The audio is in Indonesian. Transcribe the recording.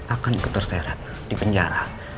akan ikut terserat di penjara